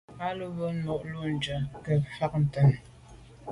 A lo be num mo’ le’njù à nke mfe ntàne.